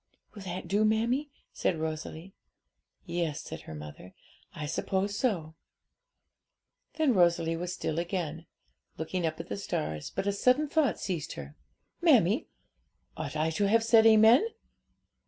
'Will that do, mammie?' said Rosalie. 'Yes,' said her mother, 'I suppose so.' Then Rosalie was still again, looking at the stars; but a sudden thought seized her. 'Mammie, ought I to have said amen?'